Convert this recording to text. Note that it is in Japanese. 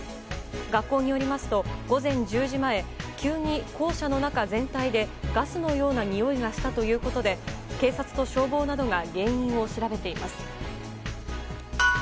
学校によりますと午前１０時前急に校舎の中全体でガスのようなにおいがしたということで警察と消防などが原因を調べています。